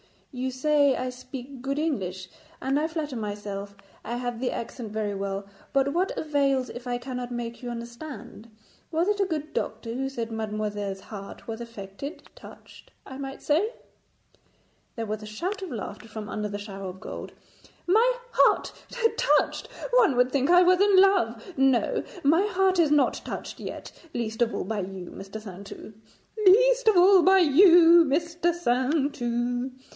'You say I speak good English, and I flatter myself I have the accent very well, but what avails if I cannot make you understand? Was it a good doctor who said mademoiselle's heart was affected; touched, I might say?' There was a shout of laughter from under the shower of gold. 'My heart touched! One would think I was in love. No, my heart is not touched yet; least of all by you, Mr. Saintou. 'Least of all by you, Mr. Saintou.'